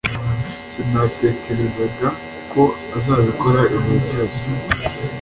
Sinatekerezaga ko azabikora ijoro ryose